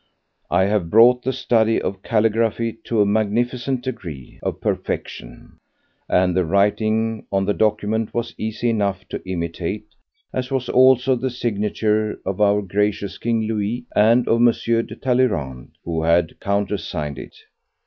I have brought the study of calligraphy to a magnificent degree of perfection, and the writing on the document was easy enough to imitate, as was also the signature of our gracious King Louis and of M. de Talleyrand, who had countersigned it.